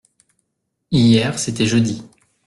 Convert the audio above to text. Hier c’était jeudi.